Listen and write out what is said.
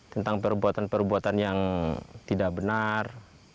tentang perbuatan perbuatan yang tidak benar